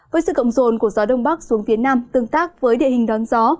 với sự cộng rồn của gió đông bắc xuống phía nam tương tác với địa hình đón gió